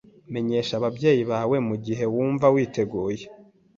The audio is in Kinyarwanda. Menyesha ababyeyi bawe mugihe wumva witeguye.